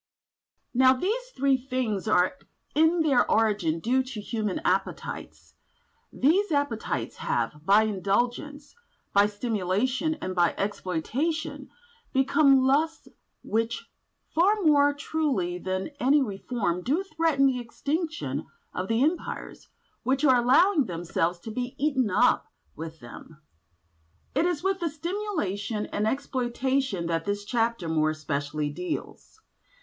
Now these three things are in their origin due to human appetites; these appetites have, by indulgence, by stimulation, and by exploitation, become lusts which, far more truly than any reform, do threaten the extinction of the Empires which are allowing themselves to be eaten up with them. It is with the stimulation and exploitation that this chapter more especially deals.